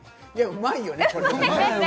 うまいよね。